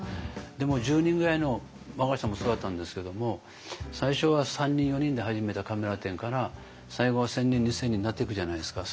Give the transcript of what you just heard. でも１０人ぐらいの我が社もそうだったんですけども最初は３人４人で始めたカメラ店から最後は１，０００人２，０００人になっていくじゃないですか。